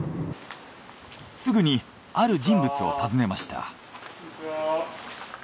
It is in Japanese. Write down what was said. すぐにある人物を訪ねました。